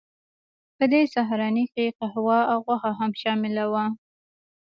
په دې سهارنۍ کې قهوه او غوښه هم شامله وه